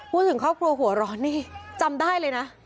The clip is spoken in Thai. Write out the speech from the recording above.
พูดถึงครอบครัวหัวร้อนนี่จำได้เลยนะ